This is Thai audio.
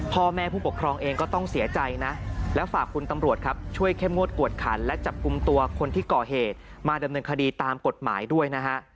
พ่อแม่ผู้ปกครองเองก็ต้องเสียใจนะและฝากคุณตำรวจครับช่วยเข้มงวดกวดขันและจับกลุ่มตัวคนที่ก่อเหตุมาดำเนินคดีตามกฎหมายด้วยนะฮะ